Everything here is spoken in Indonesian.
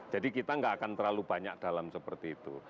jadi kita enggak akan terlalu banyak dalam seperti itu